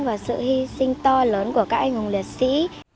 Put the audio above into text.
và sự hy sinh to lớn của các anh hùng liệt sĩ